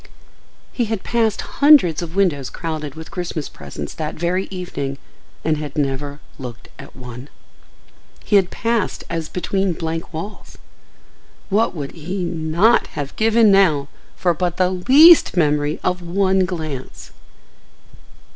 He had passed hundreds of windows crowded with Christmas presents that very evening and had never looked at one. He had passed as between blank walls. What would he not have given now for but the least memory of one glance!